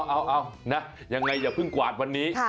เอานะยังไงอย่าเพิ่งกวาดวันนี้